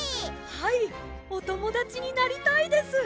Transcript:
はいおともだちになりたいです。